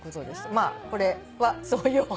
まあこれはそういうお話。